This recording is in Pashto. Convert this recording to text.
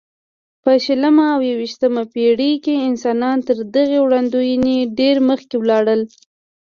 په شلمه او یویشتمه پېړۍ کې انسانان تر دغې وړاندوینو ډېر مخکې ولاړل.